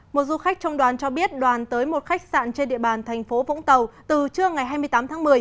một du khách trong đoàn cho biết đoàn tới một khách sạn trên địa bàn thành phố vũng tàu từ trưa ngày hai mươi tám tháng một mươi